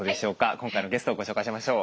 今回のゲストをご紹介しましょう。